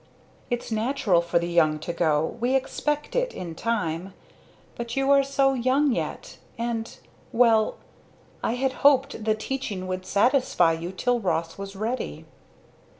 "Its natural for the young to go. We expect it in time. But you are so young yet and well, I had hoped the teaching would satisfy you till Ross was ready."